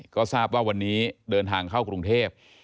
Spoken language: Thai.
ก็ทราบว่าวันนี้เดินทางเข้ากรุงเทพ